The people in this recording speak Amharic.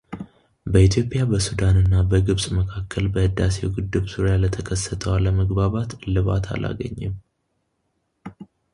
በኢትዮጵያ በሱዳንና በግብፅ መካከል በሕዳሴው ግድብ ዙሪያ ለተከሰተው አለመግባባት እልባት አላገኘም